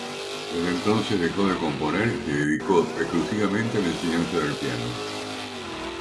Desde entonces, dejó de componer y se dedicó exclusivamente a la enseñanza del piano.